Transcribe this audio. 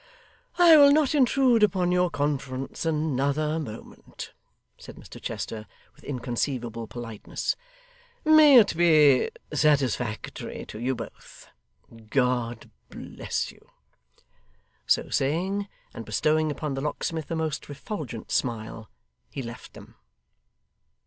'I will not intrude upon your conference another moment,' said Mr Chester with inconceivable politeness. 'May it be satisfactory to you both! God bless you!' So saying, and bestowing upon the locksmith a most refulgent smile, he left them.